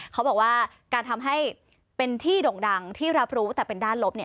เขาบอกว่าการทำให้เป็นที่ด่งดังที่รับรู้แต่เป็นด้านลบ